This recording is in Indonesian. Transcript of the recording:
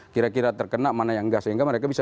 kira kira terkena mana yang enggak sehingga mereka bisa